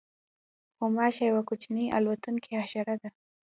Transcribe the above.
غوماشه یوه کوچنۍ الوتونکې حشره ده.